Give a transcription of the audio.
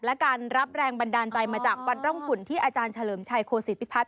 และการรับแรงบันดาลใจมาจากวัดร่องขุนที่อาจารย์เฉลิมชัยโคศิพิพัฒน